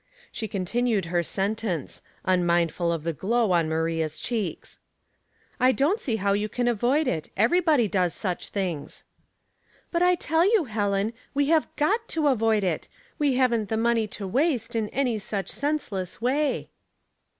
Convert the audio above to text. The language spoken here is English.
She continued her sentence, unmindful of the glow on Maria's cheeks :" I don't see how you can avoid it. Everj'body does such things." " But I tell you, Helen, we have got to avoid it. We haven't the money to waste in any such senseless way."